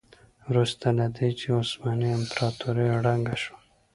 وروسته له دې چې عثماني امپراتوري ړنګه شوه.